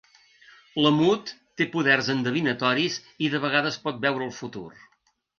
La Mud té poders endevinatoris i de vegades pot veure el futur.